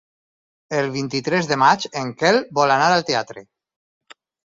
El vint-i-tres de maig en Quel vol anar al teatre.